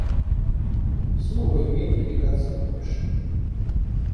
Слово имеет делегация Польши.